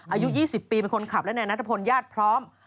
อายุ๒๐ปีเป็นคนขับและนายนัทพลญาติพร้อม